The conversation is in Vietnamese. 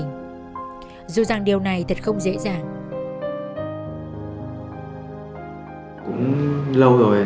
cháu cũng như mẹ em cũng như mẹ em